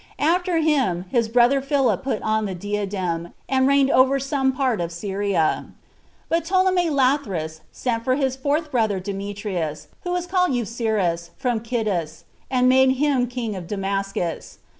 After him, his brother Philip put on the diadem, and reigned over some part of Syria; but Ptolemy Lathyrus sent for his fourth brother Demetrius, who was called Eucerus, from Cnidus, and made him king of Damascus.